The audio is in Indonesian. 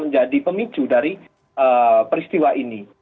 menjadi pemicu dari peristiwa ini